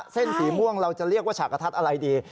เส้นสีม่วงเราจะเรียกว่าฉากกระทัดอะไรดี